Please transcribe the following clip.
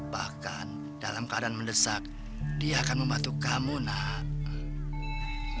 bahkan dalam keadaan mendesak dia akan membantu kamu nak